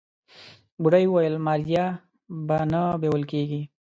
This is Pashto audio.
بوډۍ وويل ماريا به نه بيول کيږي.